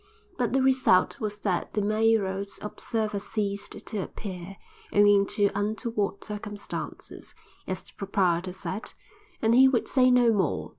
But the result was that the Meiros Observer ceased to appear, owing to "untoward circumstances" as the proprietor said; and he would say no more.